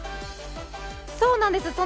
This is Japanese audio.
そうなんです